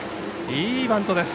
いいバントです。